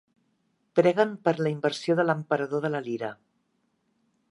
Preguen per la inversió de l'emperador de la lira.